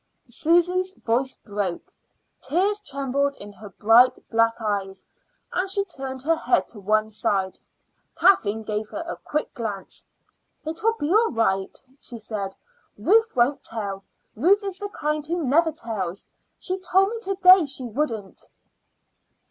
Susy's voice broke. Tears trembled in her bright black eyes, and she turned her head to one side. Kathleen gave her a quick glance. "It will be all right," she said. "Ruth won't tell. Ruth is the kind who never tells. She told me to day she wouldn't."